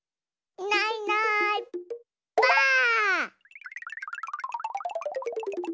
いないいないばあっ！